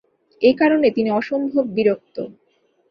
এই কারণে তিনি অসম্ভব বিরক্ত।